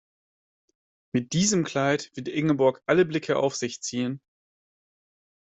Mit diesem Kleid wird Ingeborg alle Blicke auf sich ziehen.